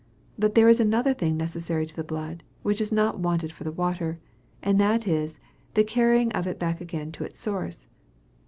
But there is another thing necessary to the blood, which is not wanted for the water; and that is, the carrying of it back again to its source.